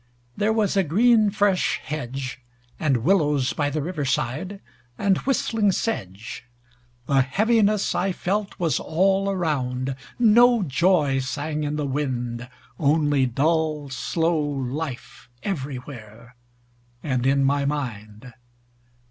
There was a green fresh hedge, And willows by the river side, And whistling sedge. The heaviness I felt was all around. No joy sang in the wind. Only dull slow life everywhere, And in my mind.